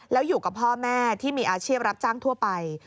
แล้วอยู่กับพ่อแม่ที่มีอาชีพรับจ้างทั่วไป